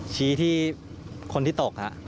ชี้ที่คนที่ตก